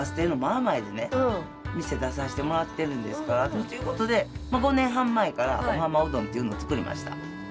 本当に。ということでまあ５年半前から尾浜うどんっていうのを作りました。